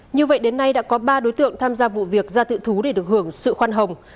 như vậy đến nay đã có ba đối tượng tham gia vụ việc ra tự thú để được hưởng sự khoan hồng